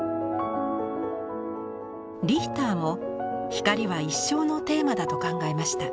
リヒターも「光は一生のテーマだ」と考えました。